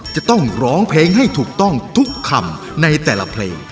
จะต้องร้องเพลงให้ถูกต้องทุกคำในแต่ละเพลง